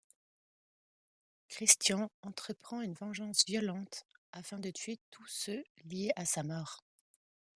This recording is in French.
Christian entreprend une vengeance violente afin de tuer tous ceux liés à sa mort.